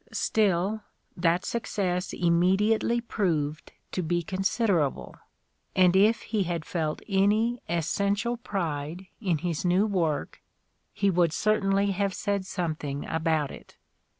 Still, that success immediately proved to be considerable, and if he had felt any essential pride in his new work he would certainly have said something about it.